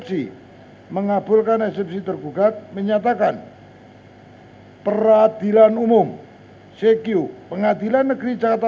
dalam pokok perkara menyatakan gugatan para punggat tidak dapat diterima